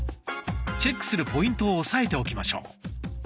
チェックするポイントを押さえておきましょう。